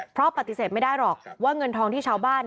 เพราะปฏิเสธไม่ได้หรอกว่าเงินทองที่ชาวบ้าน